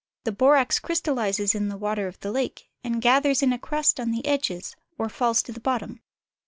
The borax crystallizes in the waters of the lake, and gathers in a crust on the edges or falls to the bottom.